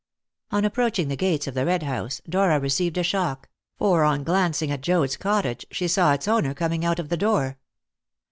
On approaching the gates of the Red House, Dora received a shock, for on glancing at Joad's cottage, she saw its owner coming out of the door.